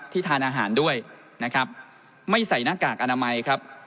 ทานอาหารด้วยนะครับไม่ใส่หน้ากากอนามัยครับ